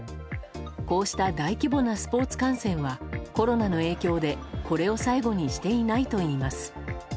こうした大規模なスポーツ観戦はコロナの影響でこれを最後にしていないといいます。